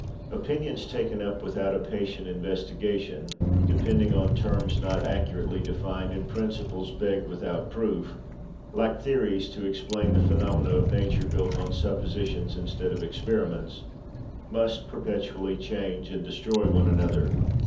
Locke. Opinions taken up without a patient investigation, depending on terms not accurately defined, and principles begged without proof, like theories to explain the phenomena of Nature built on suppositions instead of experiments, must perpetually change and destroy one another.